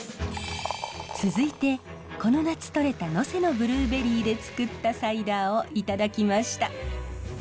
続いてこの夏とれた能勢のブルーベリーでつくったサイダーをいただきました。